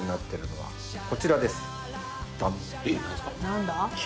何だ？